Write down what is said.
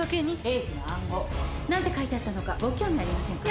「栄治の暗号何て書いてあったのかご興味ありませんか？」